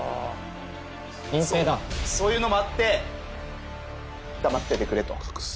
そういうのもあって黙っててくれと。